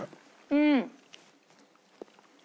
うん。